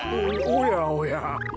おやおや。